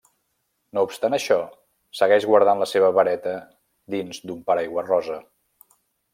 No obstant això, segueix guardant la seva vareta dins d'un paraigua rosa.